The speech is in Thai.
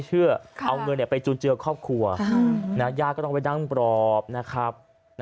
เชื่อเอาเงินไปจุนเจือครอบครัวย่าก็ต้องไปนั่งปลอบนะครับ